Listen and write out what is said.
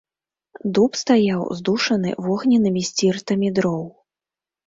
Дуб стаяў, здушаны вогненнымі сціртамі дроў.